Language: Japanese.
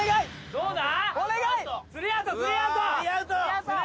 どうだ？